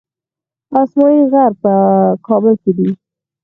اسمايي غر په کابل کې دی